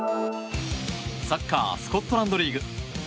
サッカースコットランドリーグ。